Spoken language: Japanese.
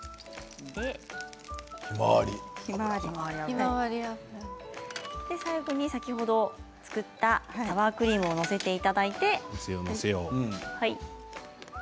こちらに先ほど作っていただいたサワークリームを載せていただいて。